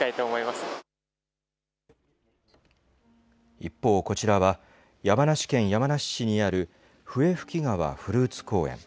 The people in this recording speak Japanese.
一方こちらは、山梨県山梨市にある笛吹川フルーツ公園。